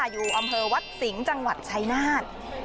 อยู่อบหือวัดสิงจังหวัดชายนาฬ